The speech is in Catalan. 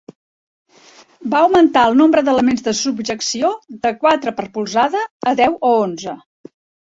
Va augmentar el nombre d'elements de subjecció de quatre per polzada a deu o onze.